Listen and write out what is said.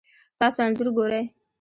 تاسو انځور ګورئ